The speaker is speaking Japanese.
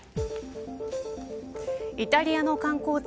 イタリアの観光地